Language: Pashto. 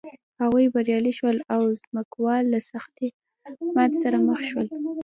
هغوی بریالي شول او ځمکوال له سختې ماتې سره مخ شول.